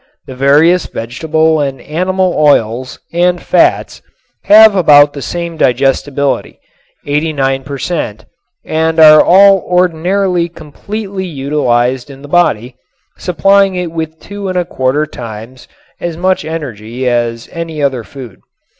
The various vegetable and animal oils and fats have about the same digestibility, 98 per cent., and are all ordinarily completely utilized in the body, supplying it with two and a quarter times as much energy as any other food.